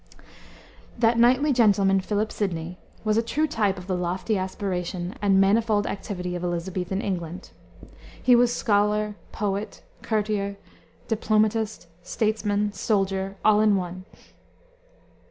That knightly gentleman, Philip Sidney, was a true type of the lofty aspiration and manifold activity of Elizabethan England. He was scholar, poet, courtier, diplomatist, statesman, soldier, all in one.